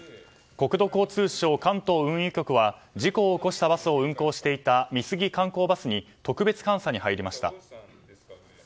国土交通省関東運輸局は事故を起こしたバスを運行していた美杉観光バスに特別監査に入りました。